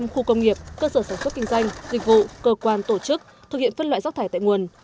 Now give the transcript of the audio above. một trăm linh khu công nghiệp cơ sở sản xuất kinh doanh dịch vụ cơ quan tổ chức thực hiện phân loại rác thải tại nguồn